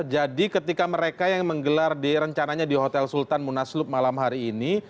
jadi ketika mereka yang menggelar rencananya di hotel sultan munaslub malam hari ini